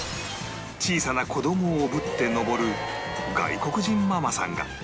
小さな子どもをおぶって登る外国人ママさんが